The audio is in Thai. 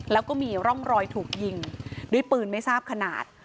แล้วก็มีร่องรอยถูกยิงด้วยปืนไม่ทราบขนาด